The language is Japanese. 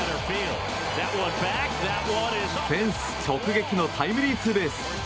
フェンス直撃のタイムリーツーベース。